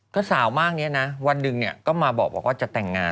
ก็สาวมากนี้นะวันหนึ่งก็มาบอกว่าจะแต่งงาน